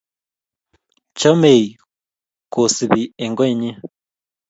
Chamei kocpi eng koinyi